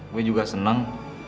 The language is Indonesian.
gue juga seneng